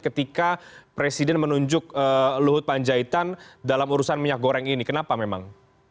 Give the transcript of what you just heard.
ketika presiden menunjuk luhut panjaitan dalam urusan minyak goreng ini kenapa memang